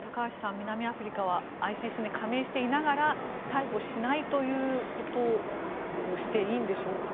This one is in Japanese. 南アフリカはＩＣＣに加盟していながら逮捕しないということをしていいんでしょうか。